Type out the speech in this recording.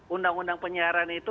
undang undang penyiaran itu